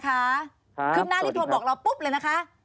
ครับสวัสดีค่ะคืบหน้าที่โทรบอกเราปุ๊บเลยนะคะ